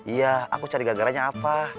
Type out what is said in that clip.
iya aku cari garanya apa